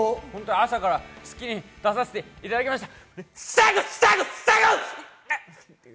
朝から『スッキリ』に出させていただきました。